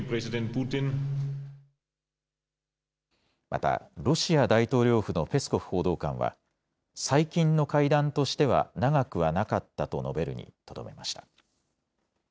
またロシア大統領府のペスコフ報道官は最近の会談としては長くはなかったと述べるにとどめました。